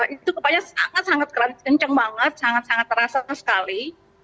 itu kepanya sangat sangat keras kenceng banget sangat sangat terasa sekali